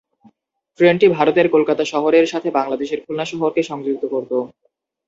ট্রেনটি ভারতের কলকাতা শহরের সাথে বাংলাদেশের খুলনা শহরকে সংযুক্ত করত।